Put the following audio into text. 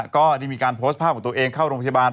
ก็ได้มีการโพสต์ภาพของตัวเองเข้าโรงพยาบาล